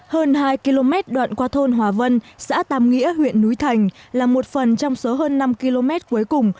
hơn hai km đoạn qua thôn hòa vân xã tam nghĩa huyện núi thành là một phần trong số hơn năm km cuối cùng